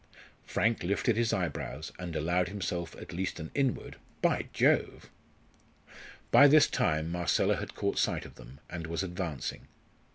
Frank lifted his eyebrows, and allowed himself at least an inward "By Jove!" By this time Marcella had caught sight of them, and was advancing.